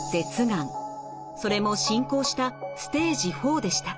それも進行したステージ４でした。